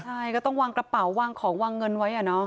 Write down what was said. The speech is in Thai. ใช่ก็ต้องวางกระเป๋าวางของวางเงินไว้อะเนาะ